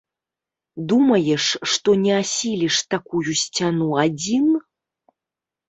Думаеш, што не асіліш такую сцяну адзін?